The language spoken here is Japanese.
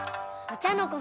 お茶の子